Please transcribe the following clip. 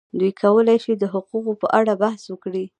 دوی کولای شي د حقوقو په اړه بحث وکړي.